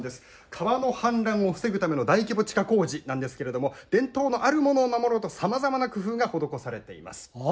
川の氾濫を防ぐための大規模地下工事なんですけれども伝統のあるものを守ろうとさまざまな工夫が施されています。